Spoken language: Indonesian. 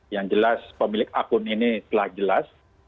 yang jelas pemilik akun ini telah jelas